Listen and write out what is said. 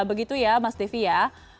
begitu ya mas devi ya